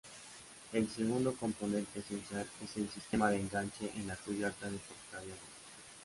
El segundo componente esencial es el sistema de enganche en la cubierta del portaviones.